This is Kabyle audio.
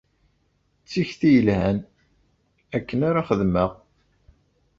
D tikti yelhan. Akken ara xedmeɣ.